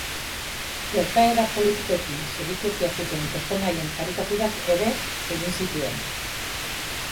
Gertaera politikoekin zerikusia zuten pertsonaien karikaturak ere egin zituen.